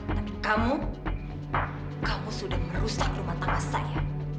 tapi kamu kamu sudah merusak rumah tangga saya